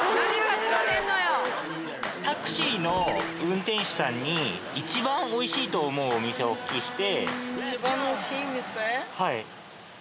タクシーの運転手さんに一番美味しいと思うお店をお聞きして。